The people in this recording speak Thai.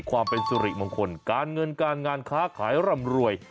ความเป็นสุริมงคลการเงินการงานค้าขายร่ำรวย